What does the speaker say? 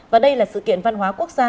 và đây là sự kiện văn hóa quốc gia